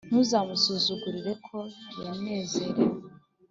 ntuzamusuzugurire ko yanezerewe,